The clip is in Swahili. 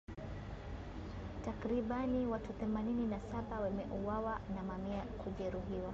Takribani watu themanini na saba wameuawa na mamia kujeruhiwa .